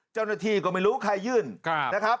เจ้าหน้าที่ก็ไม่รู้ใครยื่นนะครับ